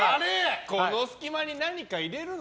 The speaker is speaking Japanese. この隙間に何か入れるの？